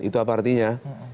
itu apa artinya